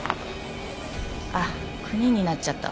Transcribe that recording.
ああ９人になっちゃったわね。